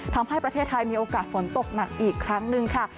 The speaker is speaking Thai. ทำให้ประเทศไทยมีโอกาสฝนตกหนักอีกครั้งหนึ่งค่ะ